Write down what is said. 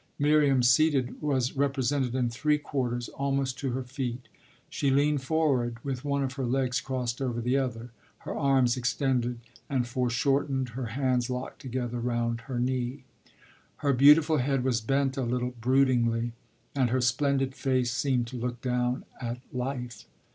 Miriam, seated, was represented in three quarters, almost to her feet. She leaned forward with one of her legs crossed over the other, her arms extended and foreshortened, her hands locked together round her knee. Her beautiful head was bent a little, broodingly, and her splendid face seemed to look down at life.